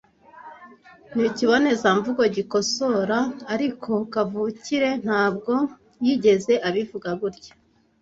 Ni ikibonezamvugo gikosora, ariko kavukire ntabwo yigeze abivuga gutya.